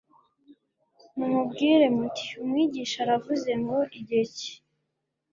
mumubwire muti Umwigisha aravuze ngo igihe cye